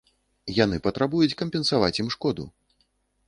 Яны патрабуюць кампенсаваць ім шкоду.